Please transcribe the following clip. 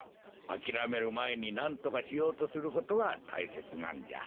あきらめるまえになんとかしようとすることがたいせつなんじゃ。